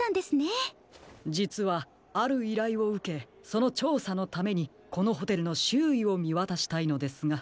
じつはあるいらいをうけそのちょうさのためにこのホテルのしゅういをみわたしたいのですが。